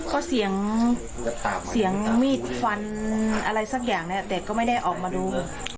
ก็เสียงมีดฟันอะไรสักอย่างแต่ก็ไม่ได้ออกมาดู